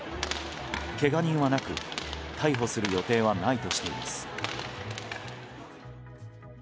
けが人はなく、逮捕する予定はないとしています。